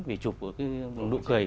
vì chụp nụ cười